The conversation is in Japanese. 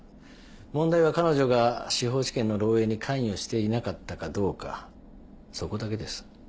問題は彼女が司法試験の漏えいに関与していなかったかどうかそこだけです。